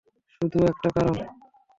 শুধু একটা কারন।